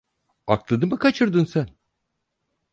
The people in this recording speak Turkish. Aklını mı kaçırdın sen?